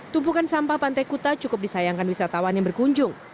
tumpukan sampah pantai kuta cukup disayangkan wisatawan yang berkunjung